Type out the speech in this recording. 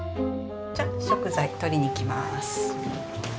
じゃ食材取りに行きます。